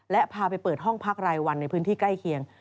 และพาไปเปิดห้องพักรายวันในพื้นที่ใกล้เคียง